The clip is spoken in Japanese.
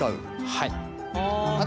はい。